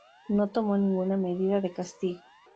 No tomó ninguna medida de castigo.